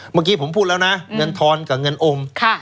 เมื่อกี้ผมพูดแล้วนะเงินทอนกับเงินอม